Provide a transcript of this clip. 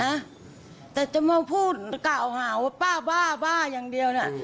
นะแต่ตำไม่พูดเปล่ากับแปลว่าป้าบ้าบ้าอย่างเดียวน่ะ